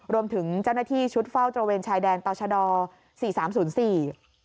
รวมถึงเจ้าหน้าที่ชุดเฝ้าตระเวนชายแดนต่อชะดอสี่สามศูนย์สี่